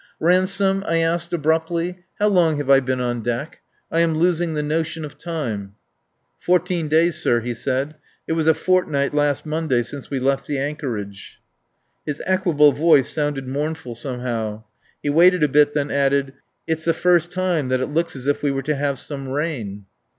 "Ransome," I asked abruptly, "how long have I been on deck? I am losing the notion of time." "Twelve days, sir," he said, "and it's just a fortnight since we left the anchorage." His equable voice sounded mournful somehow. He waited a bit, then added: "It's the first time that it looks as if we were to have some rain."